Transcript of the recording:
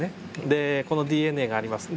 でこのＤＮＡがあります。